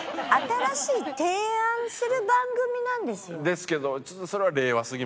ですけど。